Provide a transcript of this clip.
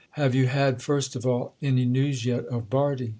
"Have you had—first of all—any news yet of Bardi?"